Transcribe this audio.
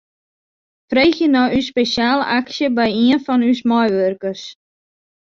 Freegje nei ús spesjale aksje by ien fan ús meiwurkers.